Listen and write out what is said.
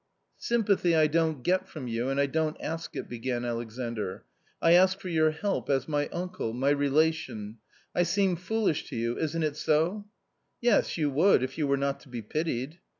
" Sympathy I don't get from you, and I don't ask it," began Alexandr ; "I ask for your help, as my uncle, my relation I seem foolish to you — isn't it so ?"" Yes, you would, if you were not to be pitied."